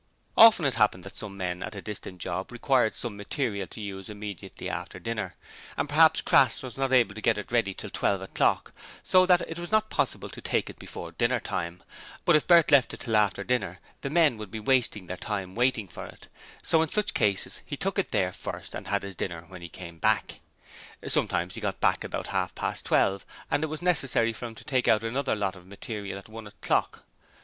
Often it happened that some men at a distant job required some material to use immediately after dinner, and perhaps Crass was not able to get it ready till twelve o'clock, so that it was not possible to take it before dinner time, and if Bert left it till after dinner the men would be wasting their time waiting for it: so in such cases he took it there first and had his dinner when he came back. Sometimes he got back about half past twelve, and it was necessary for him to take out another lot of material at one o'clock.